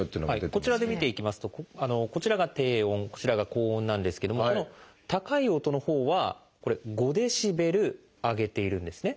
こちらで見ていきますとこちらが低音こちらが高音なんですけどもこの高い音のほうはこれ５ｄＢ上げているんですね。